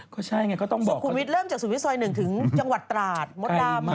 ก็ใช่ไงก็ต้องบอกสุขุมวิทย์เริ่มจากสุขุมวิทย์ซอยหนึ่งถึงจังหวัดตราดมดดามมาก